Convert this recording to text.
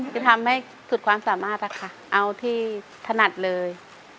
คือทำให้สุดความสามารถนะคะเอาที่ถนัดเลย